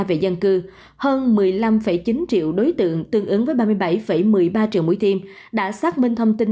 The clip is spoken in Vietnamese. về dân cư hơn một mươi năm chín triệu đối tượng tương ứng với ba mươi bảy một mươi ba triệu mũi tiêm đã xác minh thông tin